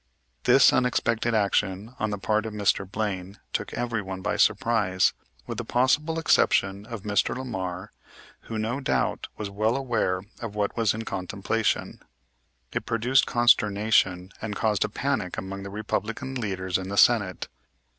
This unexpected action on the part of Mr. Blaine took everyone by surprise, with the possible exception of Mr. Lamar, who, no doubt, was well aware of what was in contemplation. It produced consternation and caused a panic among the Republican leaders in the Senate.